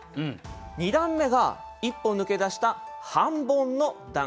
２段目が一歩抜け出した半ボンの段。